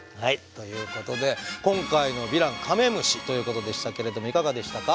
ということで今回のヴィランカメムシということでしたけれどもいかがでしたか？